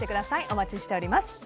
お待ちしております。